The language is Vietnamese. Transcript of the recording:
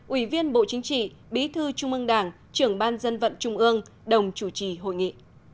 ủy viên bộ chính trị bí thư trung ương đảng trưởng ban dân vận trung ương đồng chủ trì hội nghị